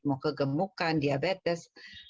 mau kegemukan diabetes